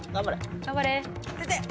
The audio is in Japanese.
頑張れ。